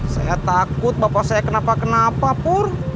saya takut bapak saya kenapa kenapa pur